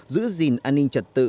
giữ gìn an ninh trật tự